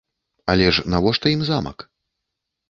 Але ж навошта ім замак?